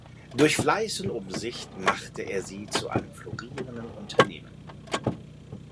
Durch Fleiß und Umsicht machte er sie zu einem florierenden Unternehmen.